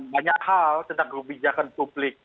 banyak hal tentang kebijakan publik